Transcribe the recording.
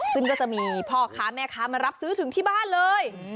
ซึ่งก็จะมีพ่อค้าแม่ค้ามารับซื้อถึงที่บ้านเลย